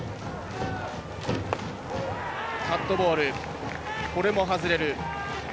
カットボールも外れる。